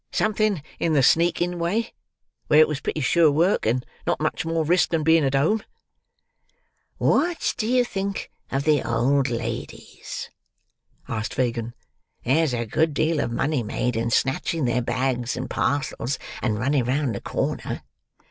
"Something in the sneaking way, where it was pretty sure work, and not much more risk than being at home." "What do you think of the old ladies?" asked Fagin. "There's a good deal of money made in snatching their bags and parcels, and running round the corner."